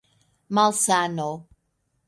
malsano